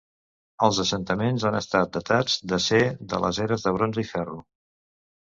Els assentaments han estat datats de ser de les eres de bronze i ferro.